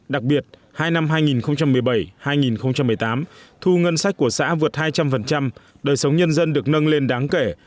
đặc biệt hai năm hai nghìn một mươi bảy hai nghìn một mươi tám thu ngân sách của xã vượt hai trăm linh đời sống nhân dân được nâng lên đáng kể